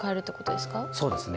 そうですね。